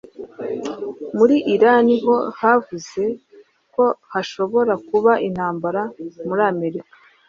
muri Irani ho bavuze ko hashobora kuba "intambara muri Amerika",